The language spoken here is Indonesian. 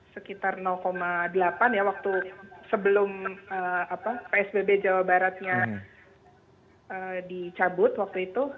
sekitar delapan ya waktu sebelum psbb jawa baratnya dicabut waktu itu